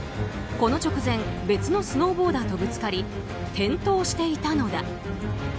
この直前別のスノーボーダーとぶつかり転倒していたのだ。